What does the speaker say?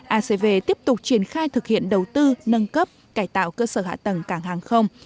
acv tiếp tục triển khai thực hiện đầu tư nâng cấp cải tạo cơ sở hạ tầng cảng hàng không